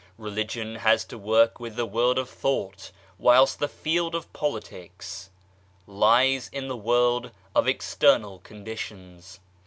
Religion has to work with the world of thought, whilst the field of politics lies in the world of external conditions.